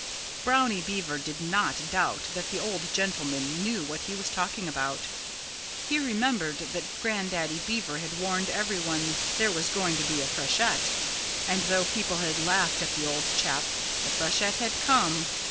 Brownie Beaver did not doubt that the old gentleman knew what he was talking about. He remembered that Grandaddy Beaver had warned everyone there was going to be a freshet. And though people had laughed at the old chap, the freshet had come.